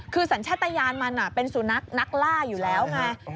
คือสัญชาติยานมันเป็นสุนัขนักล่าอยู่แล้วไง